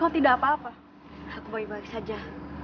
oh tidak apa apa aku baik baik saja